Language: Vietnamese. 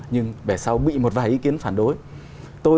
nhưng về sau bị một vài ý kiến phản đối